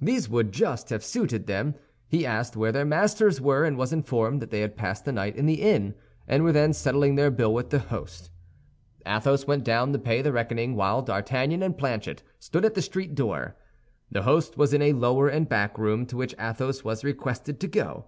These would just have suited them. He asked where their masters were, and was informed that they had passed the night in the inn, and were then settling their bill with the host. Athos went down to pay the reckoning, while D'Artagnan and Planchet stood at the street door. The host was in a lower and back room, to which Athos was requested to go.